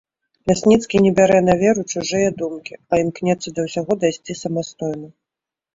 Лясніцкі не бярэ на веру чужыя думкі, а імкнецца да ўсяго дайсці самастойна.